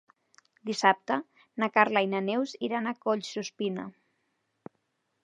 Dissabte na Carla i na Neus iran a Collsuspina.